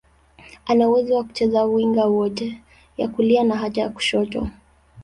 Ana uwezo wa kucheza winga zote, ya kulia na hata ya kushoto.